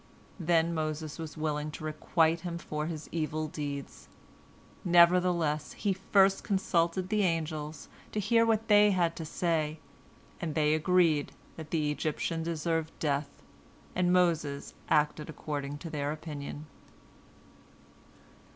Then Moses was willing to requite him for his evil deeds. Nevertheless he first consulted the angels, to hear what they had to say, and they agreed that the Egyptian deserved death, and Moses acted according to their opinion.